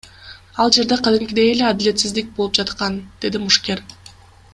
Ал жерде кадимкидей эле адилетсиздик болуп жаткан, — деди мушкер.